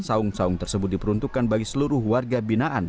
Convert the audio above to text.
saung saung tersebut diperuntukkan bagi seluruh warga binaan